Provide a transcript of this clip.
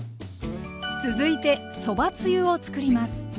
続いてそばつゆを作ります。